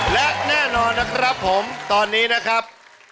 และแน่นอนนะครับผมตอนนี้นะครับ